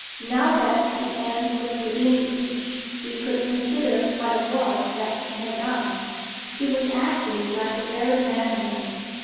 Now that the end was within reach, he could consider what it was that he had done. He was acting like a very madman.